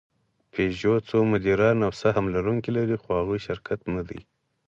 پيژو څو مدیران او سهم لرونکي لري؛ خو هغوی شرکت نهدي.